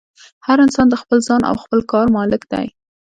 هر انسان د خپل ځان او خپل کار مالک دی.